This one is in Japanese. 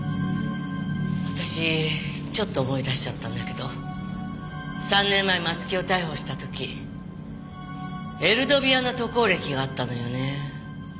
私ちょっと思い出しちゃったんだけど３年前松木を逮捕した時エルドビアの渡航歴があったのよね。